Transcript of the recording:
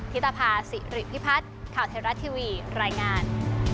ธิตภาษิริพิพัฒน์ข่าวไทยรัฐทีวีรายงาน